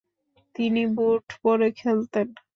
তিনি বুট পরে খেলতেন।